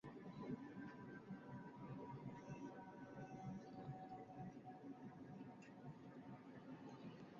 kinawezekana au la Majengo yanapaswa kuwa na